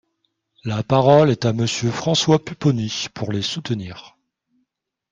La parole est à Monsieur François Pupponi, pour les soutenir.